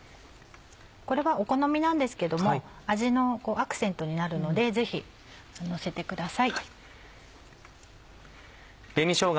これはお好みなんですけども味のアクセントになるのでぜひのせてください。